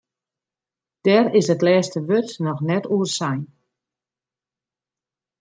Dêr is it lêste wurd noch net oer sein.